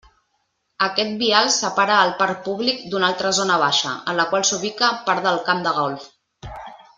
Aquest vial separa el parc públic d'una altra zona baixa, en la qual s'ubica part del camp de golf.